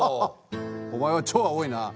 お前は超青いな。